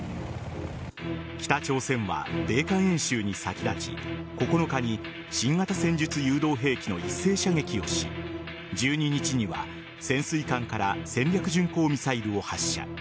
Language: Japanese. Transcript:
北朝鮮は米韓演習に先立ち９日に新型戦術誘導兵器の一斉射撃をし１２日には、潜水艦から戦略巡航ミサイルを発射。